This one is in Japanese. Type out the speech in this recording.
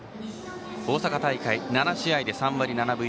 大阪大会７試合で３割７分１厘。